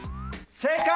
正解！